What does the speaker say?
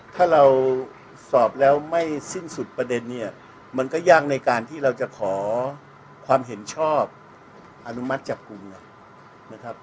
ถ้าเราสอบแล้วไม่สิ้นสุดประเด็นเนี่ยมันก็ยากในการที่เราจะขอความเห็นชอบอนุมัติจับกลุ่มนะครับ